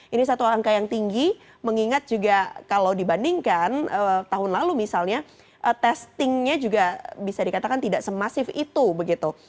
ini satu angka yang tinggi mengingat juga kalau dibandingkan tahun lalu misalnya testingnya juga bisa dikatakan tidak semasif itu begitu